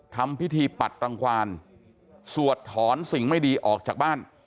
ทำพิธีปัดรังควานสวดถอนสิ่งไม่ดีออกจากบ้าน